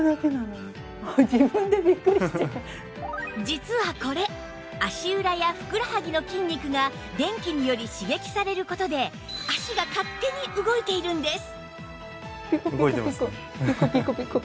実はこれ足裏やふくらはぎの筋肉が電気により刺激される事で脚が勝手に動いているんです